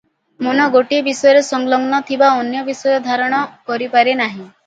ମନ ଗୋଟାଏ ବିଷୟରେ ସଂଲଗ୍ନ ଥିଲେ ଅନ୍ୟ ବିଷୟ ଧାରଣା କରିପାରେ ନାହିଁ ।